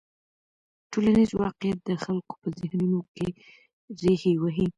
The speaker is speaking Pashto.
ټولنیز واقیعت د خلکو په ذهنونو کې رېښې وهي.